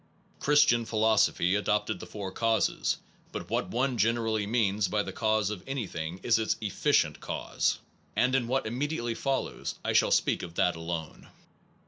Christian philosophy adopted the four causes; but what one generally means by the cause of anything is its efficient cause, and in what immediately follows I shall speak of that alone.